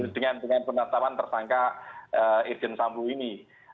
dengan penetapan tersangka irjen sambo ini